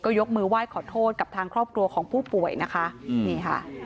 ยกมือไหว้ขอโทษกับทางครอบครัวของผู้ป่วยนะคะนี่ค่ะ